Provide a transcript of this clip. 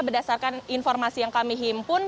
berdasarkan informasi yang kami himpun